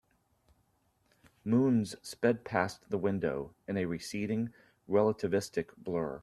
Moons sped past the window in a receding, relativistic blur.